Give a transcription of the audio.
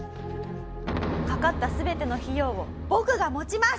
かかった全ての費用を僕が持ちます！